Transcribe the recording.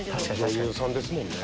女優さんですもんね。